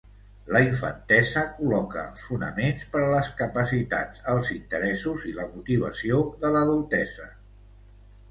La infantesa col·loca els fonaments per a les capacitats, els interessos i la motivació de l'adultesa.